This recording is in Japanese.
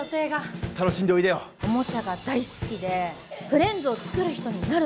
おもちゃが大好きで「フレンズを作る人になるんだ！」。